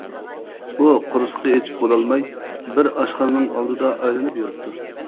ئۇ قورسىقى ئېچىپ بولالماي، بىر ئاشخانىنىڭ ئالدىدا ئايلىنىپ يۈرۈپتۇ.